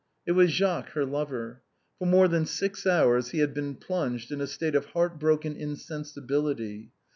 It was Jacques, her lover. For more than six hours he had been plunged into a state of heart broken insensibility.